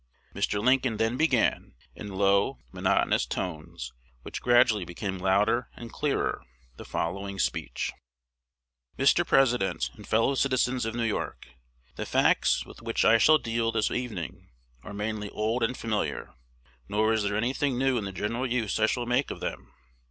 Mr. Lincoln then began, in low, monotonous tones, which gradually became louder and clearer, the following speech: Mr. President and Fellow Citizens of New York, The facts with which I shall deal this evening are mainly old and familiar; nor is there any thing new in the general use I shall make of them.